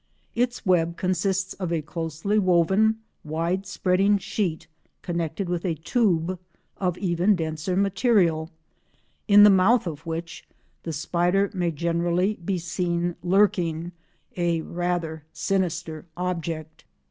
Its web consists of a closely woven wide spreading sheet connected with a tube of even denser material, in the mouth of which the spider may generally be seen lurking, a rather sinister object.